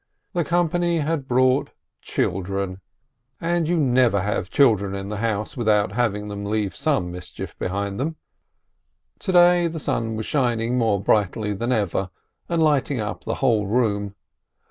The company had brought children, and you never have children in the house without having them leave some mischief behind them. To day the sun was shining more brightly than ever, and lighting up the whole room.